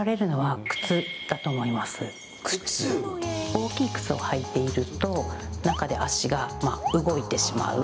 大きい靴を履いていると中で足が動いてしまう。